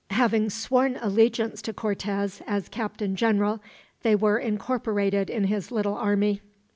Having sworn allegiance to Cortez as captain general, they were incorporated in his little army.